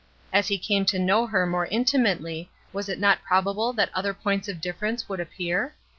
As he came to know her more intimately was it not probable that other points of difference would appear?